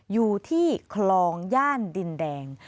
อยู่ที่คลองย่านดินแดง